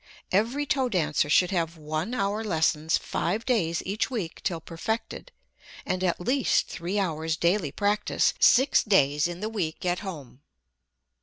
Every toe dancer should have one hour lessons five days each week till perfected, and at least three hours daily practice six days in the week at home.